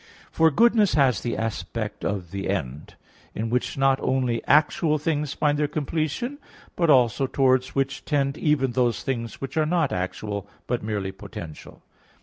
For goodness has the aspect of the end, in which not only actual things find their completion, but also towards which tend even those things which are not actual, but merely potential.